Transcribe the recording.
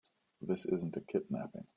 This isn't a kidnapping.